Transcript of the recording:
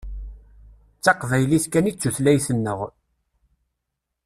D taqbaylit kan i d tutlayt-nneɣ.